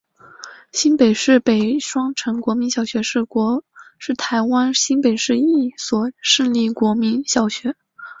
新北市立双城国民小学是台湾新北市一所市立国民小学。